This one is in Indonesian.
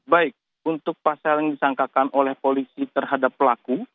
baik untuk pasal yang disangkakan oleh polisi terhadap pelaku